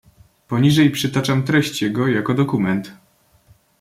"Poniżej przytaczam treść jego, jako dokument."